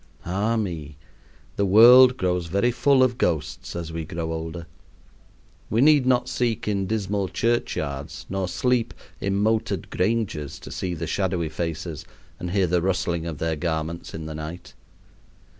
Ah me! the world grows very full of ghosts as we grow older. We need not seek in dismal church yards nor sleep in moated granges to see the shadowy faces and hear the rustling of their garments in the night.